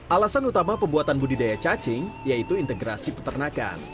alasan utama pembuatan budidaya cacing yaitu integrasi peternakan